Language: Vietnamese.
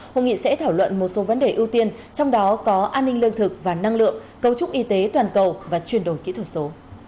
hội nghị sẽ thảo luận một số vấn đề ưu tiên trong đó có an ninh lương thực và năng lượng cấu trúc y tế toàn cầu và chuyển đổi kỹ thuật số